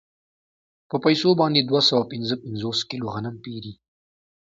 په پیسو باندې دوه سوه پنځه پنځوس کیلو غنم پېري